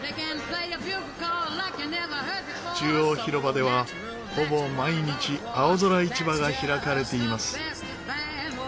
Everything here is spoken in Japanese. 中央広場ではほぼ毎日青空市場が開かれています。